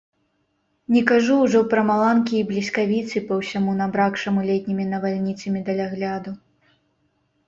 Не кажу ўжо пра маланкі і бліскавіцы па ўсяму набракшаму летнімі навальніцамі далягляду.